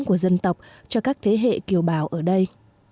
của dân tộc cho các thế hệ kiều bào ở đây